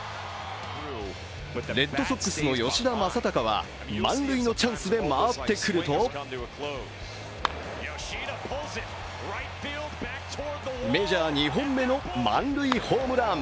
レッドソックスの吉田正尚は満塁のチャンスで回ってくるとメジャー２本目の満塁ホームラン。